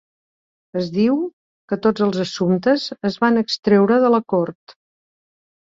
Es diu que tots els assumptes es van extreure de la cort.